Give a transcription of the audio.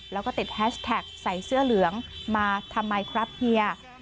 แล้วก็ติดแฮชแท็กใส่เสื้อเหลืองมาทำไมครับเฮีย